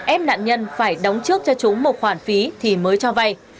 ép nạn nhân phải đóng trước cho chúng một khoản phí thì mới cho vay